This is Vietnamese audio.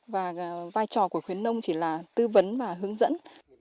và vai trò của khuyến nông chỉ là tư vấn và hướng dẫn